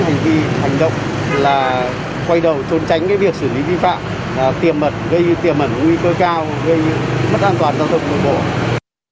gây mất an toàn giao thông đồng bộ